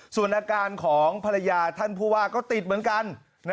ส่วนอาการของภรรยาท่านผู้ว่าก็ติดเหมือนกัน